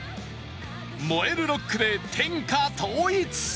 萌えるロックで天下統一。